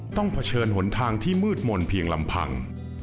เผชิญหนทางที่มืดมนต์เพียงลำพัง